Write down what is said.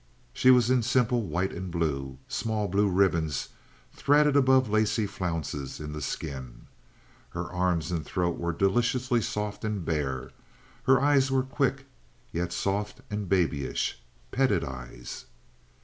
She was in simple white and blue—small blue ribbons threaded above lacy flounces in the skin. Her arms and throat were deliciously soft and bare. Her eyes were quick, and yet soft and babyish—petted eyes.